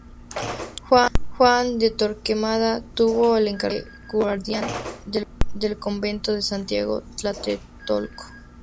Juan de Torquemada tuvo el cargo de guardián del convento de Santiago Tlatelolco.